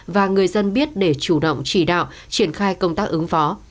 và người dân biết để chủ động chỉ đạo triển khai công tác ứng phó